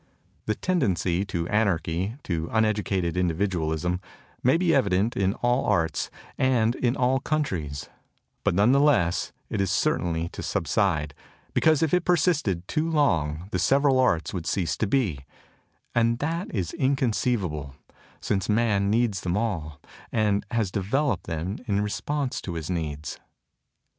The tendency to anarchy, to unedu cated individualism, may be evident in all arts and in all countries; but none the less is it cer tain to subside, because if it persisted too long the several arts would cease to be, and that is inconceivable, since man needs them all and has developed them in response to his needs.